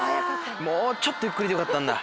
もうちょっとゆっくりでよかったんだ。